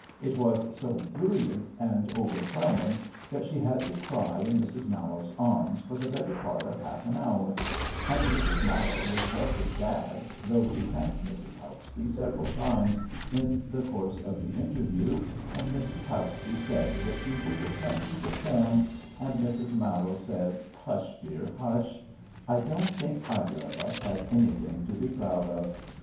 It was so brilliant and overwhelming that she had to cry in Mrs. Mallowe's arms for the better part of half an hour; and Mrs. Mallowe was just as bad, though she thanked Mrs. Hauksbee several times in the course of the interview, and Mrs. Hauksbee said that she would repent and reform, and Mrs. Mal lowe said: Hush, dear, hush! I don't think either of us had anything to be proud of."